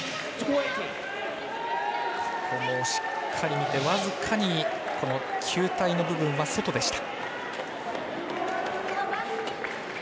ここもしっかり見て、僅かに球体の部分は外でした。